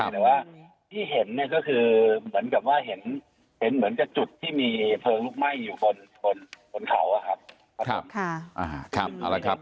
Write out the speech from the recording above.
แต่ว่าที่เห็นเนี่ยก็คือเหมือนกับว่าเห็นเหมือนกับจุดที่มีเพลิงลุกไหม้อยู่บนเขาอะครับผม